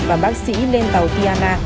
và bác sĩ lên tàu tiana